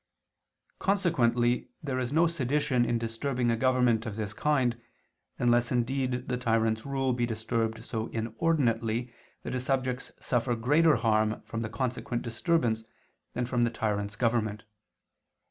Consequently there is no sedition in disturbing a government of this kind, unless indeed the tyrant's rule be disturbed so inordinately, that his subjects suffer greater harm from the consequent disturbance than from the tyrant's government.